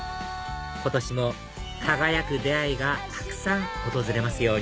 今年も輝く出会いがたくさん訪れますように